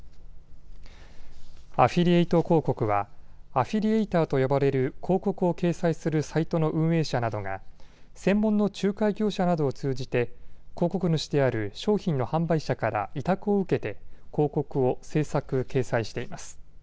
アフィリエイト広告はアフィリエイターと呼ばれる広告を掲載するサイトの運営者などが専門の仲介業者などを通じて広告主である商品の販売者から委託を受けて広告を制作・掲載しています。